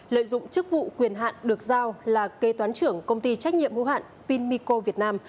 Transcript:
lợi dụng chức vụ quyền hạn được giao là kế toán trưởng công ty trách nhiệm hữu hạn pinico việt nam